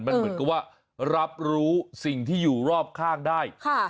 มันเหมือนกับว่ารับรู้สิ่งที่อยู่รอบข้างได้